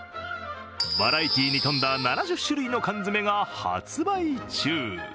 バラエティーに富んだ７０種類の缶詰が発売中。